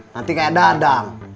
nanti kayak dadang